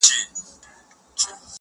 په وهلو یې ورمات کړله هډونه!.